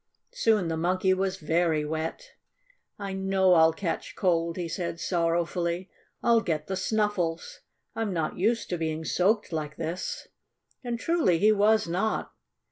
Soon the Monkey was very wet. "I know I'll catch cold!" he said sorrowfully. "I'll get the snuffles! I'm not used to being soaked like this." And, truly, he was not.